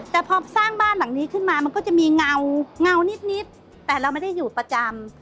แต่พอสร้างบ้านหลังนี้ขึ้นมามันก็จะมีเงานิดแต่เราไม่ได้อยู่ประจำ